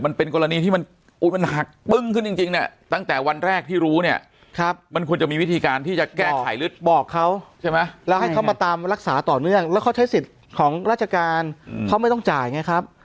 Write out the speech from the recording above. บอกเขาใช่ไหมแล้วให้เขามาตามรักษาต่อเนื่องแล้วเขาใช้สิทธิ์ของราชการเขาไม่ต้องจ่ายไงครับ